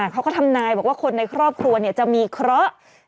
เขาก็ทำนายบอกว่าคนในครอบครัวจะมีเคราะห์